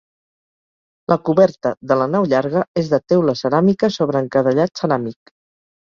La coberta de la nau llarga és de teula ceràmica sobre encadellat ceràmic.